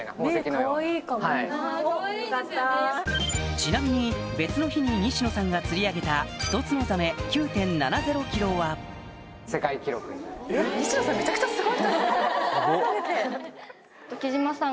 ちなみに別の日に西野さんが釣り上げたフトツノザメ９．７０ｋｇは貴島さん